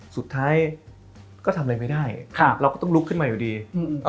สุดท้ายก็ทำอะไรไม่ได้ครับเราก็ต้องลุกขึ้นมาอยู่ดีอืม